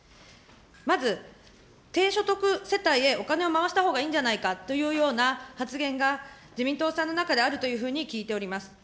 まず、低所得世帯へお金を回したほうがいいんじゃないかというような発言が自民党さんの中であるというふうに聞いております。